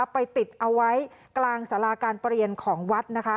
ไปติดเอาไว้กลางสาราการเปลี่ยนของวัดนะคะ